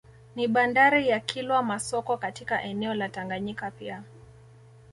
Ni bandari ya Kilwa Masoko katika eneo la Tanganyika pia